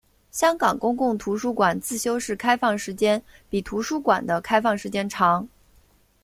香港公共图书馆自修室开放时间比图书馆的开放时间长。